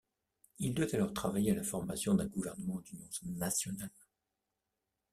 Il doit alors travailler à la formation d'un gouvernement d'union nationale.